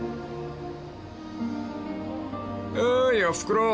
［おーいおふくろ